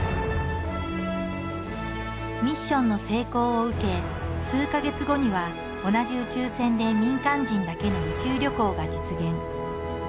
ミッションの成功を受け数か月後には同じ宇宙船で民間人だけの宇宙旅行が実現。